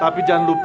tapi jangan lupa